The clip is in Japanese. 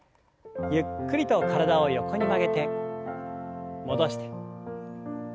ゆっくりと体を横に曲げて戻して。